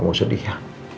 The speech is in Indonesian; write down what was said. kamu sedih ya